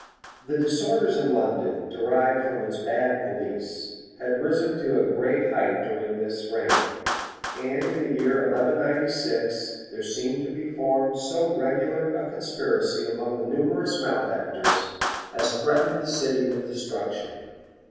] The disorders in London, derived from its bad police, had risen to a great height during this reign; and in the year 1196, there seemed to be formed so regular a conspiracy among the numerous malefactors, as threatened the city with destruction.